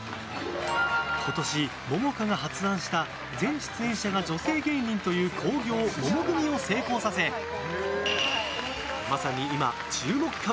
今年、桃花が発案した全出演者が女性芸人という興行「桃組」を成功させまさに今、注目株。